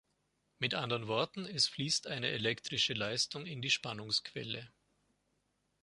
Mit anderen Worten, es fließt eine elektrische Leistung in die Spannungsquelle.